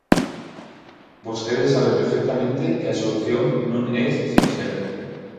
Vostede sabe perfectamente que a solución non é sinxela.